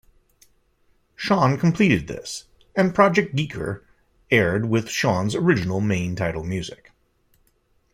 Shawn completed this and Project GeeKeR aired with Shawn's original main title music.